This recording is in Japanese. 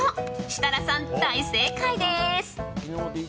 設楽さん、大正解です。